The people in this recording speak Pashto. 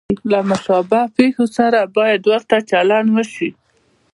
له مشابه پېښو سره باید ورته چلند وشي.